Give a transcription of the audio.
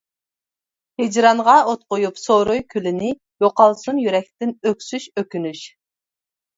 ھىجرانغا ئوت قويۇپ، سورۇي كۈلىنى، يوقالسۇن يۈرەكتىن ئۆكسۈش، ئۆكۈنۈش.